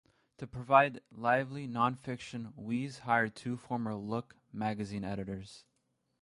To provide lively nonfiction Wiese hired two former "Look" magazine editors.